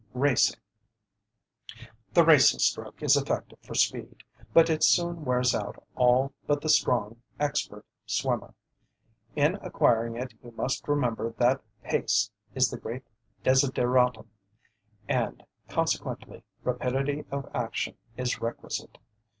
RACING The racing stroke is effective for speed, but it soon wears out all but the strong, expert swimmer. In acquiring it you must remember that pace is the great desideratum, and, consequently, rapidity of action is requisite.